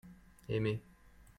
aimez.